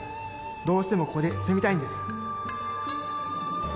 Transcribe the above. どうしてもここで住みたいんです。